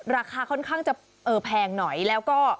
ราคาค่อนข้างจะแพงหน่อยแล้วก็